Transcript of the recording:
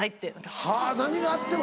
はぁ「何があっても」！